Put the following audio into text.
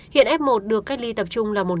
hiện f một được cách ly tập trung là một